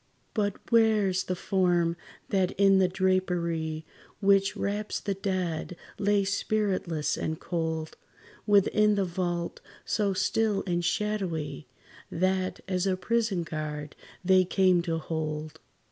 But, where 's the form that in the drapery, Which wraps the dead, lay, spiritless and cold, Within the vault so still and shadowy, That, as a prison guard, they came to hold?